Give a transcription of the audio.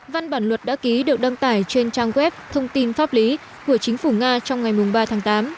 văn bản luật đã ký được đăng tải trên trang web thông tin pháp lý của chính phủ nga trong ngày ba tháng tám